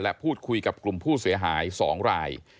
และพูดคุยกับกลุ่มผู้เสียหาย๒ราย